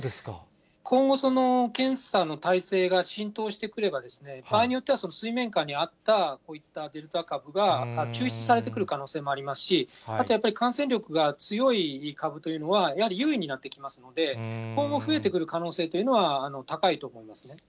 今後、検査の体制が浸透してくれば、場合によっては水面下にあった、こういったデルタ株が抽出されてくる可能性もありますし、あとやっぱり、感染力が強い株というのは、やはり優位になってきますので、今後、増えてくる可能性というのは高いと思うんですね。